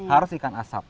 harus ikan asap